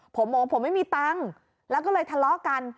ผมบอกว่าผมไม่มีตังค์แล้วก็เลยทะเลาะกัน